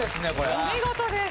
お見事です！